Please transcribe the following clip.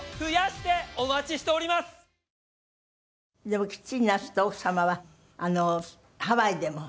でもきっちりなすった奥様はハワイでも。